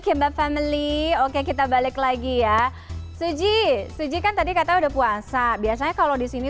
kimbab family oke kita balik lagi ya suji suji kan tadi kata udah puasa biasanya kalau di sini